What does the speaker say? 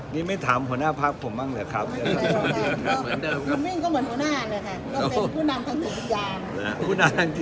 นี่ไม่ทำหัวหน้าพักผมมั้งเหรอครับเพราะว่าเด็กครับเดิมครับ